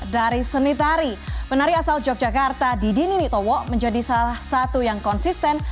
dari seni tari penari asal yogyakarta didi ninitowo menjadi salah satu yang konsisten